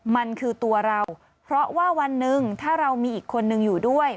มันคือตัวเราเพราะว่าวันหนึ่งถ้าเรามีอีกคนนึงอยู่ด้วย